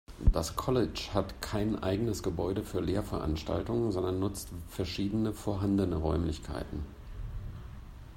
Das College hat kein eigenes Gebäude für Lehrveranstaltungen, sondern nutzt verschiedene vorhandene Räumlichkeiten.